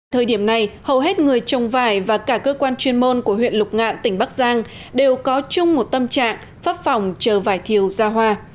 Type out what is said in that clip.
thời điểm này hầu hết người trồng vải và cả cơ quan chuyên môn của huyện lục ngạn tỉnh bắc giang đều có chung một tâm trạng pháp phòng chờ vải thiều ra hoa